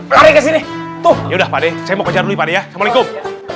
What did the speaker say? mari kesini tuh ya udah pakde saya mau kejar dulu ya pakde ya assalamualaikum